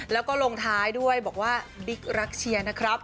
แล้วก็ลงท้ายด้วยบอกว่าบิ๊กรักเชียร์นะครับ